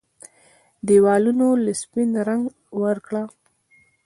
ديوالونو له سپين رنګ ورکړه